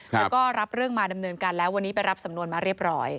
แล้วก็รับเรื่องมาดำเนินการแล้ววันนี้ไปรับสำนวนมาเรียบร้อย